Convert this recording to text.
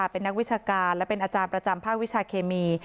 เป็นนักวิชาการและเป็นอาจารย์ประจำภาควิชาเคมี